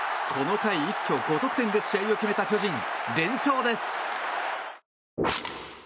この回、一挙５得点で試合を決めた巨人連勝です。